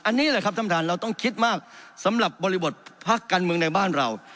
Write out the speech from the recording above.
อันนี้แหละครับท่านประธานเราต้องคิดมากสำหรับบริบทพักการเมืองในบ้านเรา